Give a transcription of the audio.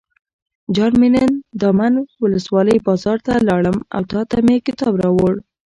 جان مې نن دامن ولسوالۍ بازار ته لاړم او تاته مې کتاب راوړل.